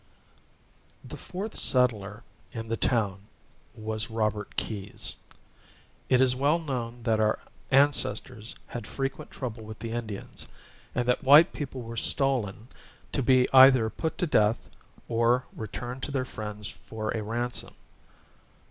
The fourth settler in the town was Robert Keyes. It is well known that our ancestors had frequent trouble with the Indians, and that white people were stolen, to be either put to death or returned to their friends for a ransom.